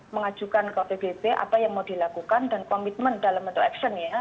mengajukan ke pbb apa yang mau dilakukan dan komitmen dalam bentuk action ya